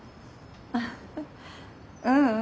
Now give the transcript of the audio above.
ううん。